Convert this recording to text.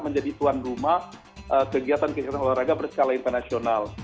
menjadi tuan rumah kegiatan kegiatan olahraga berskala internasional